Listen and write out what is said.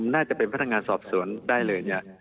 น่าจะเป็นพนักงานสอบสวนได้เลยเนี่ย